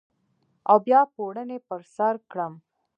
او بیا پوړنی پر سرکړم